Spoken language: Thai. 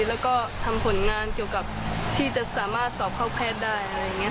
แล้วก็ทำผลงานเกี่ยวกับที่จะสามารถสอบเข้าแพทย์ได้